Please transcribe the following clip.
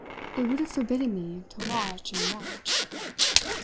it would have forbidden me to watch and watch.